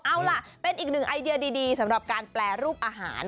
เอาล่ะเป็นอีกหนึ่งไอเดียดีสำหรับการแปรรูปอาหาร